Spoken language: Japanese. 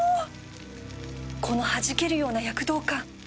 このはじけるような躍動感